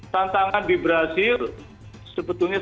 tantangan di brazil sebetulnya